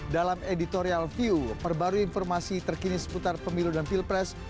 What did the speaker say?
dalam editorial view perbarui informasi terkini seputar pemilu dan pilpres